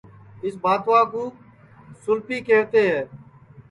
اِس بھاتوا کُو سُولپی کیہوتے ہے